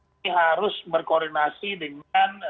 ini harus berkoordinasi dengan